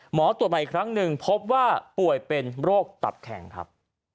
หมอตรวจใหม่อีกครั้งหนึ่งพบว่าป่วยเป็นโรคตับแข็งครับ